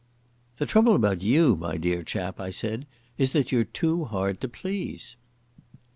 "The trouble about you, my dear chap," I said, "is that you're too hard to please."